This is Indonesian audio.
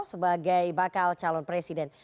sebagai bakal calon presiden